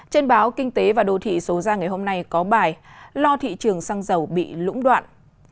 trên báo kinh tế và đô thị số ra ngày hôm nay có bài lo thị trường xăng dầu bị lũng đoạn